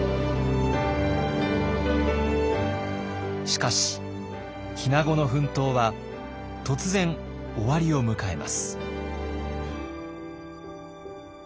しかし日名子の奮闘は突然終わりを迎えます。